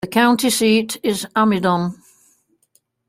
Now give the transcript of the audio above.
The county seat is Amidon.